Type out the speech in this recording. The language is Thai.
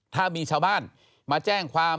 ถ้ามีชาวบ้านมาแจ้งความ